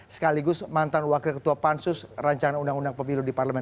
sekaligus mantan wakil ketua pansus rancangan undang undang pemilu di parlemen